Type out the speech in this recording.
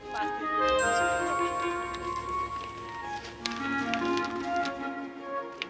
pa ini muslim